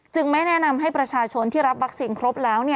ไม่แนะนำให้ประชาชนที่รับวัคซีนครบแล้ว